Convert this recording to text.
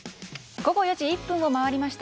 午後４時１分を回りました。